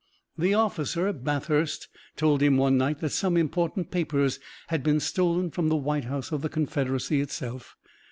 The officer, Bathurst, told him one night that some important papers had been stolen from the White House of the Confederacy itself.